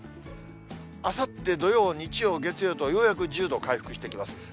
あさって土曜、日曜、月曜と、ようやく１０度、回復してきます。